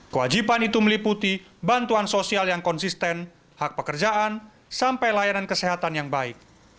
kewajiban itu meliputi bantuan sosial yang konsisten hak pekerjaan sampai layanan kesehatan yang baik